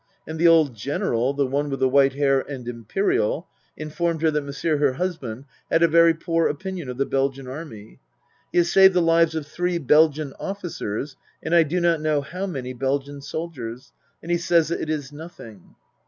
And the old General (the one with the white hair and imperial) informed her that Monsieur her husband had a very poor opinion of the Belgian Army. " He has saved the lives of three Belgian officers and I do not know how many Belgian soldiers and he says that it is nothing